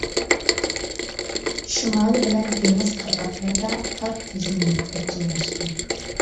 شىمالى بىلەن دېڭىز قىرغاقلىرىدا تار تۈزلەڭلىكلەر جايلاشقان.